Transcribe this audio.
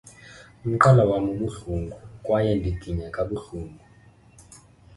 umqala wam ubuhlungu kwaye ndiginya kabuhlungu